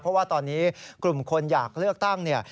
เพราะว่าตอนนี้กลุ่มคนอยากเลือกตั้งเนี่ย